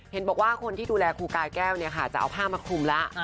เห็นบอกว่าคนที่ดูแลครูกาแก้วจะเอาผ้ามาคุมละ